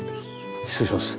失礼します。